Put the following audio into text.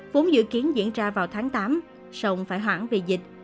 vốn dự kiến diễn ra vào tháng tám sông phải hẳn vì dịch